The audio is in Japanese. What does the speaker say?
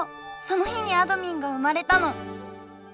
その日にあどミンが生まれたの。